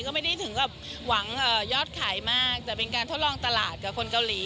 ก็ไม่ได้ถึงกับหวังยอดขายมากแต่เป็นการทดลองตลาดกับคนเกาหลี